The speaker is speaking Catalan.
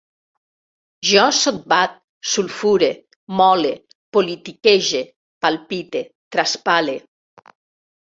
Jo sotbat, sulfure, mole, politiquege, palpite, traspale